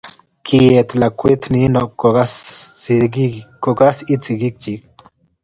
kiet lakwet nino ko kas it sigiik chich